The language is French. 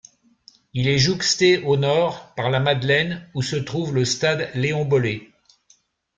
Il est jouxté au nord par la Madeleine où se trouve le stade Léon-Bollée.